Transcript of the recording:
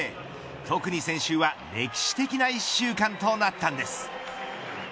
特に先週は歴史的な１週間となったんです。